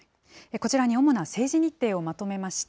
こちらに主な政治日程をまとめました。